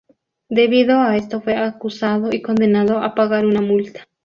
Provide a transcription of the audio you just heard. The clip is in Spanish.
Debido a esto fue acusado y condenado a pagar una multa.